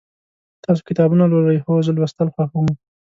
تاسو کتابونه لولئ؟ هو، زه لوستل خوښوم